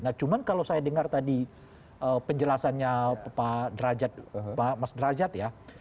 nah cuman kalau saya dengar tadi penjelasannya pak mas derajat ya